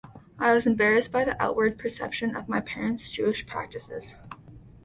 I was embarrassed by the outward perception of my parents' Jewish practices.